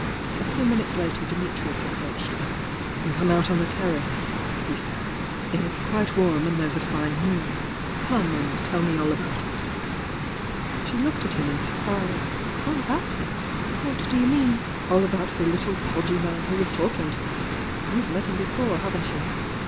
A few minutes later Dimitnus aPproached her "Come out on the terrace," he said .J^LS"^ warm and there's a fine moon. Come and teU me all about it!" She looked at him in surprise. "All about it? What do you mean? "AU about the little pod^ man who was talkmg to you! You've met him before, haven't you?